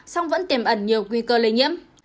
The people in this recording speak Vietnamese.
song vẫn tiềm ẩn nhiều nguy cơ lây nhiễm